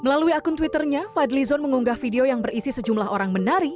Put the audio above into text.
melalui akun twitternya fadli zon mengunggah video yang berisi sejumlah orang menari